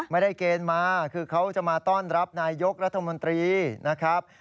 ไม่ได้เกณฑ์มาคือเขาจะมาต้อนรับนายกรัฐมนตรีนะครับ